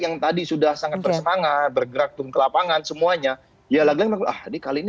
yang tadi sudah sangat bersemangat bergerak ke lapangan semuanya ya laganya ah ini kali ini